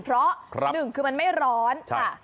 เพราะ๑คือมันไม่ร้อน